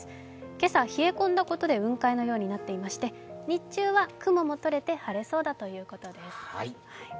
今朝、冷え込んだことで雲海のようになっていまして日中は雲も取れて晴れそうだということです。